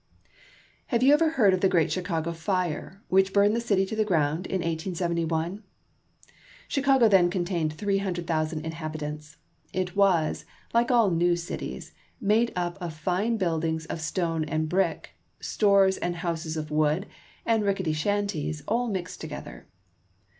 Have you ever heard of the great Chicago fire, which burned the city to the ground in 1871 ? Chicago then contained three hundred thousand inhabitants. It was^ like all new cities, made up of fine buildings of stone and brick, stores and houses of wood, and rickety shanties, all mixed together.